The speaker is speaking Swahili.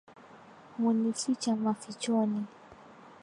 Hunificha mafichoni,